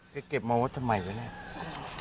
เก็บมาวัดทำไมวะเนี่ย